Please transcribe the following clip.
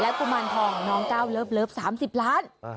กุมารทองน้องก้าวเลิฟ๓๐ล้าน